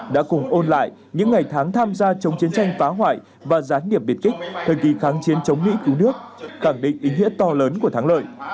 đã cùng ôn lại những ngày tháng tham gia chống chiến tranh phá hoại và gián điệp biệt kích thời kỳ kháng chiến chống mỹ cứu nước khẳng định ý nghĩa to lớn của thắng lợi